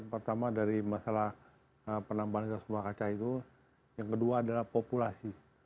pertama dari masalah penambahan gas rumah kaca itu yang kedua adalah populasi